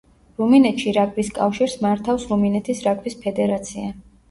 რუმინეთში რაგბის კავშირს მართავს რუმინეთის რაგბის ფედერაცია.